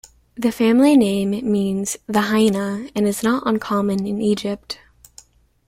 The family name means "the hyena" and is not uncommon in Egypt.